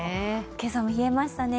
今朝も冷えましたね。